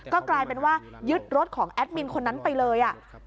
ก็กลายเป็นว่ายึดรถของแอดมินคนนั้นไปเลย